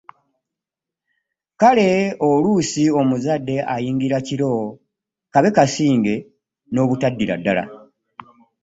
Kale oluusi omuzadde ayingira kiro kabekasinge n’obutaddira ddala.